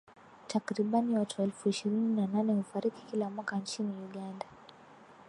Takribani watu elfu ishirini na nane hufariki kila mwaka nchini Uganda